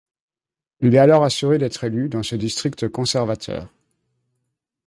Il est alors assuré d'être élu dans ce district conservateur.